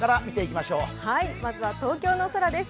まずは東京の空です。